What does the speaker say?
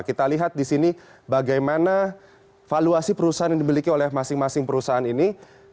kita lihat di sini bagaimana valuasi perusahaan yang dibeliki oleh masing masing perusahaan ini